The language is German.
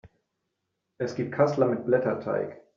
Es gibt Kassler mit Blätterteig.